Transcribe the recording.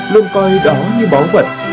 luôn coi đó như bó vật